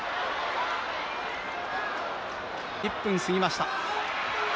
１分過ぎました。